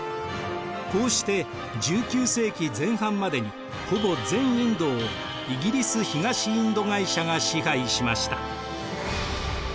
こうして１９世紀前半までにほぼ全インドをイギリス東インド会社が支配しました。